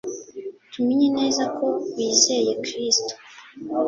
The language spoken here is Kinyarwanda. tumenye neza ko bizeye Kristo.